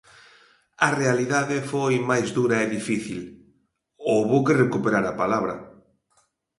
A realidade foi máis dura e difícil: houbo que recuperar a palabra.